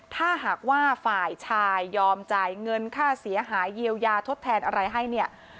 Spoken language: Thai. ถ้าหากว่าฝ่ายชายยอมจ่ายเงินค่าเสียหายเยียวยาทดแทนอะไรให้เนี่ย